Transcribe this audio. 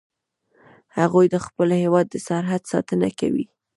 هغوی د خپل هیواد د سرحد ساتنه کوي